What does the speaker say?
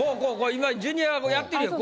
今ジュニアがやってるやん。